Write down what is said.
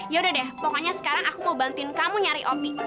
yaudah deh pokoknya sekarang aku mau bantuin kamu nyari opi